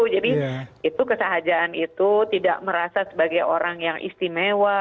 jadi itu kesahajaan itu tidak merasa sebagai orang yang istimewa